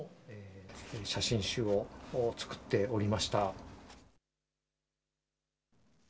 写真集を作っておりました。